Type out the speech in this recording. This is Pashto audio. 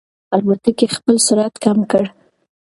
الوتکې خپل سرعت کم کړ.